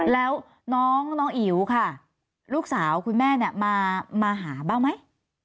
แล้วน้องอิ๋วค่ะลูกสาวคุณแม่เนี่ยมาหาบ้างไหม